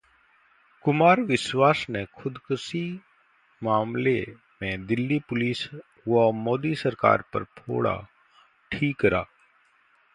कुमार विश्वास ने खुदकुशी मामले में दिल्ली पुलिस व मोदी सरकार पर फोड़ा ठीकरा